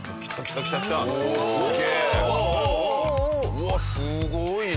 うわっすごいね。